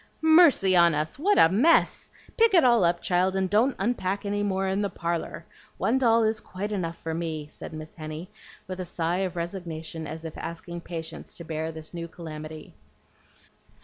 "Mercy on us, what a mess! Pick it all up, child, and don't unpack any more in the parlor. One doll is quite enough for me," said Miss Henny, with a sigh of resignation as if asking patience to bear this new calamity.